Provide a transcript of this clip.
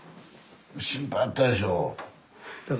心配やったでしょう。